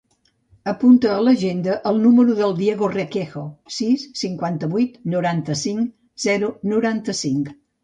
Apunta a l'agenda el número del Diego Requejo: sis, cinquanta-vuit, noranta-cinc, zero, noranta-cinc.